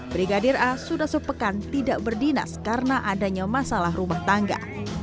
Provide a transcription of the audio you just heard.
brigadir a sudah sepekan tidak berdinas karena adanya masalah rumah tangga